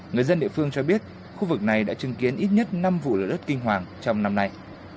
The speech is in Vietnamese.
người dân địa phương cho biết khu vực này đã chứng kiến ít nhất năm vụ lửa đất kinh hoàng trong năm nay